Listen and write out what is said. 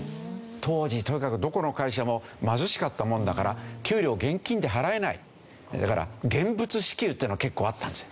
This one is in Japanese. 当時とにかくどこの会社も貧しかったものだからだから現物支給っていうの結構あったんですよ。